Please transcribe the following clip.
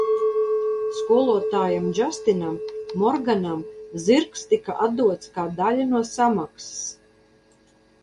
Skolotājam Džastinam Morganam zirgs tika atdots kā daļa no samaksas.